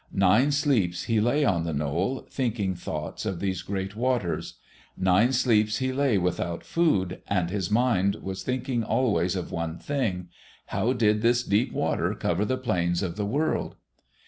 Nine sleeps he lay on the knoll, thinking thoughts of these great waters. Nine sleeps he lay without food, and his mind was thinking always of one thing: How did this deep water cover the plains of the world?